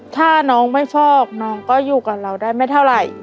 ถ้าน้องไม่ฟอกน้องก็อยู่กับเราได้ไม่เท่าไหร่